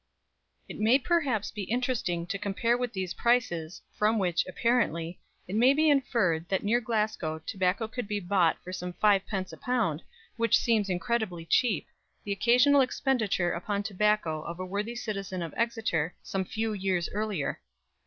It may perhaps be interesting to compare with these prices, from which, apparently, it may be inferred that near Glasgow tobacco could be bought for some 5d. a pound, which seems incredibly cheap, the occasional expenditure upon tobacco of a worthy citizen of Exeter some few years earlier.